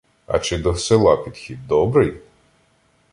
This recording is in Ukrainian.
— А чи до села підхід добрий?